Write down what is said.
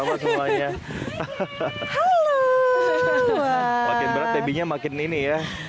wah makin berat babynya makin ini ya